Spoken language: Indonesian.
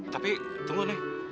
tapi tunggu neng